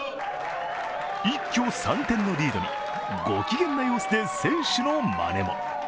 一挙３点のリードに、ご機嫌な様子で選手のまねも。